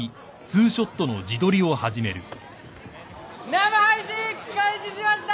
生配信開始しました！